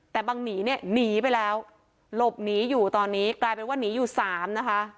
แต่บังหนีเนี่ยหนีไปแล้วหลบหนีอยู่ตอนนี้กลายเป็นว่าหนีอยู่สามนะคะ